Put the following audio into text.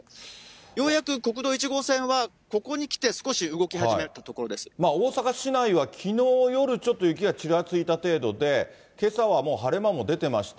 ようやく国道１号線は、ここにきて、大阪市内はきのう夜、ちょっと雪がちらついた程度で、けさはもう、晴れ間も出てました。